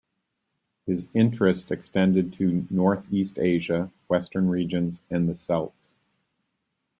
His interest extended to Northeast Asia, Western Regions, and the Celts.